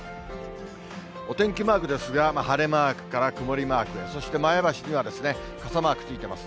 お天気マークですが、晴れマークから曇りマークへ、そして前橋では傘マークついてます。